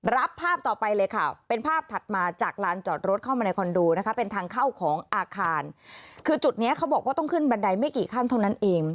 ภาพต่อไปเลยค่ะเป็นภาพถัดมาจากลานจอดรถเข้ามาในคอนโดนะคะเป็นทางเข้าของอาคารคือจุดเนี้ยเขาบอกว่าต้องขึ้นบันไดไม่กี่ขั้นเท่านั้นเอง